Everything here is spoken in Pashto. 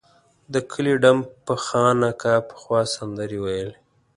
د کلي ډم فخان اکا پخوا سندرې ویلې.